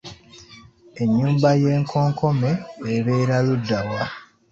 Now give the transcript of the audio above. Ennyumba y’ekkonkome ebeera ludda wa?